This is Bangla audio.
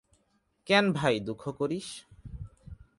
কেন ভাই, দুঃখ করিস?